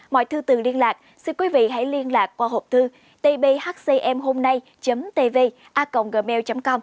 mọi thư từ liên lạc xin quý vị hãy liên lạc qua hộp thư tbhcmhômnay tva gmail com